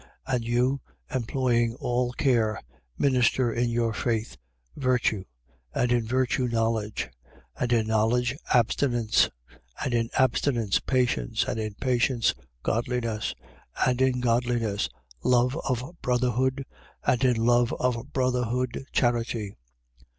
1:5. And you, employing all care, minister in your faith, virtue: And in virtue, knowledge: 1:6. And in knowledge, abstinence: and in abstinence, patience: and in patience, godliness: 1:7. And in godliness, love of brotherhood: and in love of brotherhood, charity.